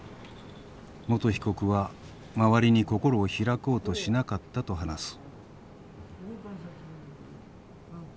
元被告は周りに心を開こうとしなかったと話す。